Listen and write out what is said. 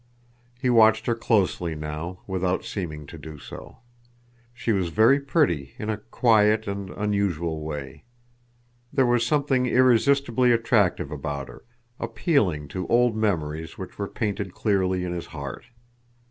He watched her closely now, without seeming to do so. She was very pretty in a quiet and unusual way. There was something irresistibly attractive about her, appealing to old memories which were painted clearly in his heart.